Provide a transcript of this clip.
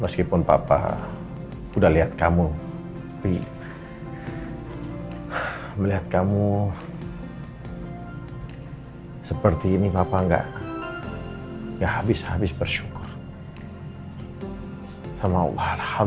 saya jumpa di rumah